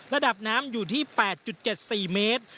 ระดับน้ำอยู่ที่๘๗๔เมตร